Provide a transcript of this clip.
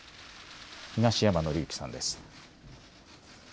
東山紀之さんです。